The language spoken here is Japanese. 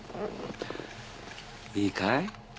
いいかい？